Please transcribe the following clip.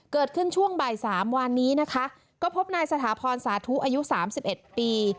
เกิดขึ้นช่วงบ่ายสามวานนี้นะคะก็พบนายสถาพรสาธุอายุสามสิบเอ็ดปี